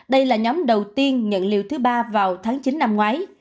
đây là nhóm đầu tiên nhận liều thứ ba vào tháng chín năm ngoái